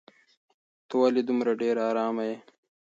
ته ولې دومره ډېره ارامه یې؟